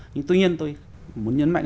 nhưng tuy nhiên tôi muốn nhấn mạnh